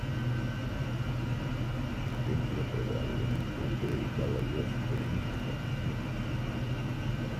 El templo probablemente fue dedicado al dios helenístico Mitra.